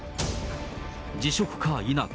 辞職か否か。